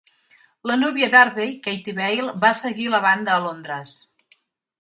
La núvia d'Harvey, Katy Beale, va seguir la banda a Londres.